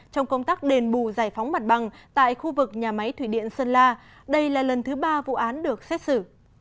trong công tác đền bù giải phóng mặt bằng tại khu vực nhà máy thủy điện sơn la đây là lần thứ ba vụ án được xét xử